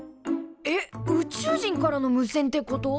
えっ宇宙人からの無線ってこと？